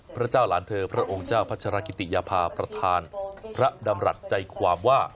พระเจ้าหลานเธอพระองค์เจ้าพัชรกิติยภาประธานพระดำรัฐใจความว่า